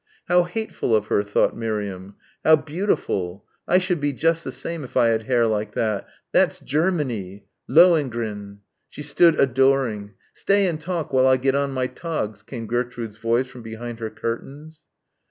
How hateful of her, thought Miriam.... How beautiful. I should be just the same if I had hair like that ... that's Germany.... Lohengrin.... She stood adoring. "Stay and talk while I get on my togs," came Gertrude's voice from behind her curtains.